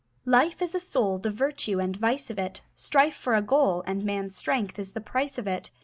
Life is a soul; The virtue and vice of it. Strife for a goal, And man's strength is the price of it.